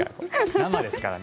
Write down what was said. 生ですから。